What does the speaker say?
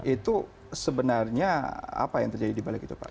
itu sebenarnya apa yang terjadi di balik itu pak